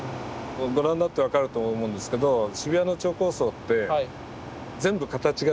ご覧になって分かると思うんですけど渋谷の超高層って全部形が違いますよね。